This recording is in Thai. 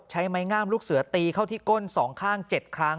ใช้ไม้งามลูกเสือตีเข้าที่ก้น๒ข้าง๗ครั้ง